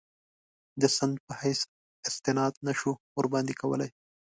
د سند په حیث استناد نه شو ورباندې کولای.